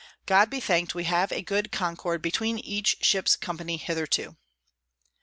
God be thank'd we have a good Concord between each Ships Company hitherto.